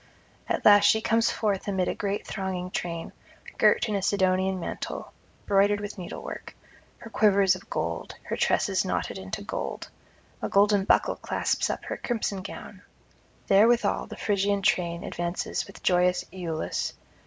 At last she comes forth amid a great thronging train, girt in a Sidonian mantle, broidered with needlework; her quiver is of gold, her tresses knotted into gold, a golden buckle clasps up her crimson gown. Therewithal the Phrygian train advances with joyous Iülus.